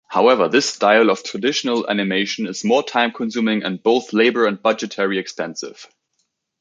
However, this style of traditional animation is more time-consuming and both labor and budgetary-expensive.